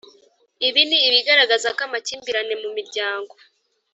Ibi ni ibigaragaza ko amakimbirane mu miryango